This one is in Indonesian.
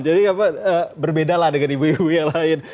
jadi berbeda lah dengan ibu ibu yang lain